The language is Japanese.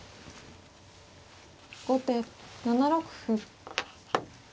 後手７六歩。